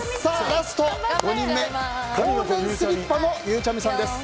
ラスト、５人目ゴールデンスリッパのゆうちゃみさんです。